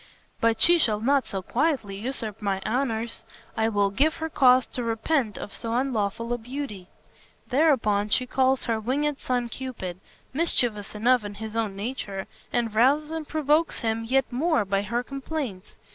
But she shall not so quietly usurp my honors. I will give her cause to repent of so unlawful a beauty." Thereupon she calls her winged son Cupid, mischievous enough in his own nature, and rouses and provokes him yet more by her complaints.